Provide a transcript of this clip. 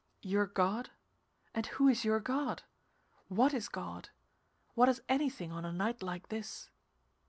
"Your God? And who is your God? What is God? What is anything on a night like this?"